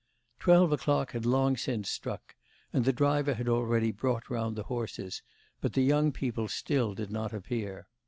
Twelve o'clock had long ago struck; and the driver had already brought round the horses, but the 'young people' still did not appear.